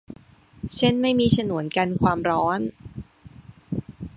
เช่นไม่มีฉนวนกันความร้อน